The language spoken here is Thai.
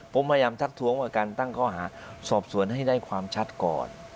ผมพยายามทักท้วงว่าการตั้งข้อหาสอบสวนให้ได้ความชัดก่อน